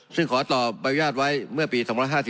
ซึ่งขอต่อบริษัทไว้เมื่อปี๒๕๔